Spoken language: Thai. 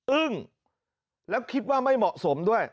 อึ้งแล้วคิดว่าไม่เหมาะสมด้วย